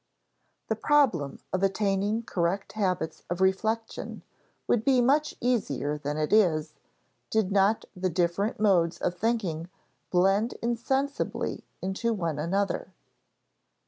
The problem of attaining correct habits of reflection would be much easier than it is, did not the different modes of thinking blend insensibly into one another.